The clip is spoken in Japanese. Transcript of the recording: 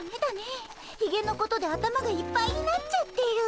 ひげのことで頭がいっぱいになっちゃってる。